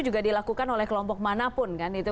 juga dilakukan oleh kelompok manapun kan itu